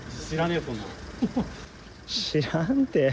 知らんって。